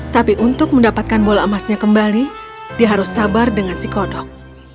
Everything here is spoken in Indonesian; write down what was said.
tapi untuk mendapatkan bola emasnya kembali dia harus sabar dengan si kodok